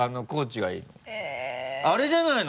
あれじゃないの？